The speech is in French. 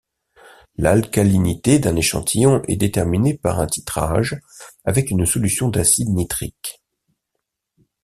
L'alcalinité d'un échantillon est déterminée par un titrage avec une solution d'acide nitrique.